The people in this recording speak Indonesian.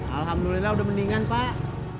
alhamdulillah udah mendingan pak